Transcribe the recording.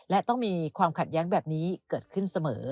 และต้องมีความขัดแย้งแบบนี้เกิดขึ้นเสมอ